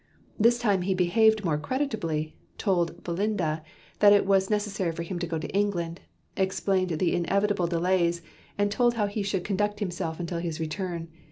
This time he behaved more creditably, told "Belinda" that it was necessary for him to go to England, explained the inevitable delays and told how he should conduct himself until his return.